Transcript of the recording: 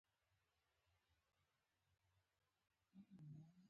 خوب د ارامۍ نښه ده